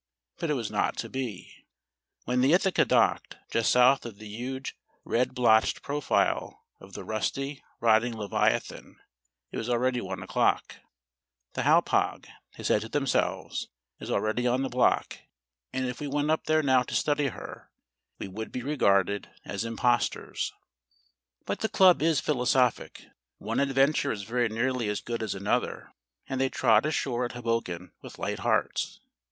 But it was not to be. When the Ithaca docked, just south of the huge red blotched profile of the rusty rotting Leviathan, it was already 1 o'clock. The Hauppauge, they said to themselves, is already on the block, and if we went up there now to study her, we would be regarded as impostors. But the club is philosophic. One Adventure is very nearly as good as another, and they trod ashore at Hoboken with light hearts.